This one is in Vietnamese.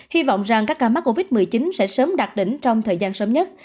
hy vọng rằng các ca mắc covid một mươi chín sẽ sớm đạt đỉnh trong thời gian sớm nhất